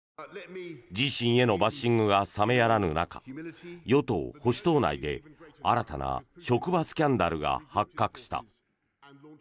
自身へのバッシングが冷めやらぬ中与党・保守党内で新たな職場スキャンダルが発覚した。